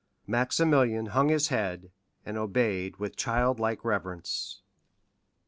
Maximilian hung his head, and obeyed with childlike reverence.